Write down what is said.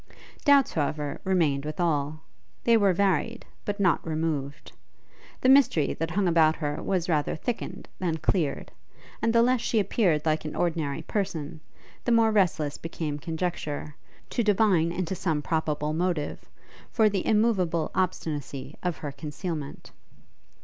Doubts, however, remained with all: they were varied, but not removed. The mystery that hung about her was rather thickened than cleared, and the less she appeared like an ordinary person, the more restless became conjecture, to dive into some probable motive, for the immoveable obstinacy of her concealment.